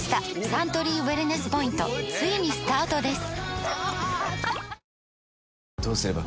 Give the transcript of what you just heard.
サントリーウエルネスポイントついにスタートです！